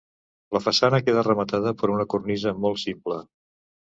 La façana queda rematada per una cornisa molt simple.